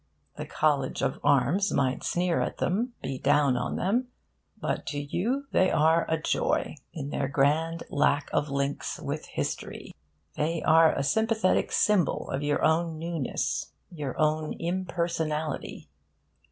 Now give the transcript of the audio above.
The College of Arms might sneer at them, be down on them, but to you they are a joy, in their grand lack of links with history. They are a sympathetic symbol of your own newness, your own impersonality.